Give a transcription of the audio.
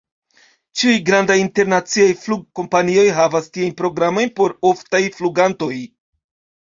Ĉiuj grandaj internaciaj flugkompanioj havas tiajn programojn por oftaj flugantoj.